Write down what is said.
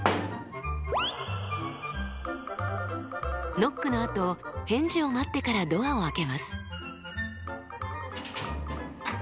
ノックのあと返事を待ってからドアを開けます。